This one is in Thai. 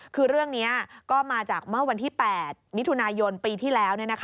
คือเรื่องนี้ก็มาจากเมื่อวันที่๘มิถุนายนปีที่แล้ว